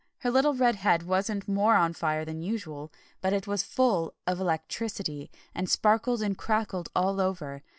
Her little red head wasn't more on fire than usual, but it was full of electricity, and sparkled and crackled all over.